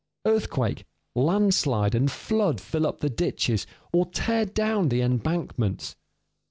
Earthquake, landslide, and flood fill up the ditches, or tear down the embankments.